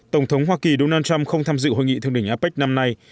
tổng thống hoa kỳ donald trump không tham dự hội nghị thương đỉnh apec năm nay